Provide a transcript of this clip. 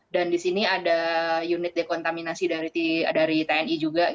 dan di sini ada unit dekontaminasi dari tni juga